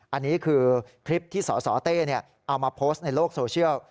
อันนี้คือคลิปที่สสเต้เอามาโพสต์ในโลกโซเชียล